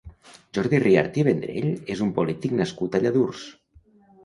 Jordi Riart i Vendrell és un polític nascut a Lladurs.